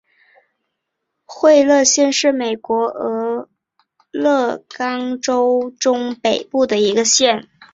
惠勒县是美国俄勒冈州中北部的一个县。